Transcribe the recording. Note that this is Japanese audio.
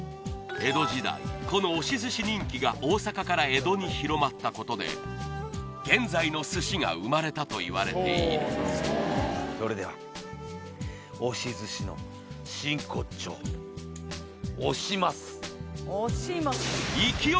江戸時代この押し寿司人気が大阪から江戸に広まったことで現在の寿司が生まれたといわれているこれ果たしてイエーイ！